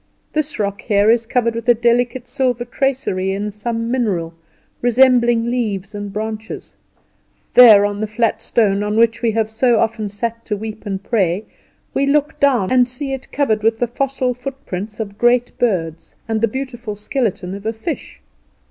This rock here is covered with a delicate silver tracery, in some mineral, resembling leaves and branches; there on the flat stone, on which we so often have sat to weep and pray, we look down, and see it covered with the fossil footprints of great birds, and the beautiful skeleton of a fish.